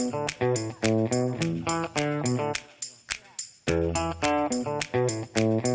tenang aja harganya standar di sini